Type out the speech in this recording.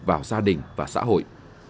vào gia đình và xã hội